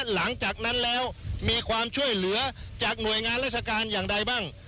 หลังจากนั้นแล้วมีความช่วยเหลือจากหน่วยงานราชการอย่างใดบ้าง